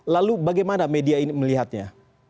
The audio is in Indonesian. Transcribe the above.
lalu bagaimana media ini melihatnya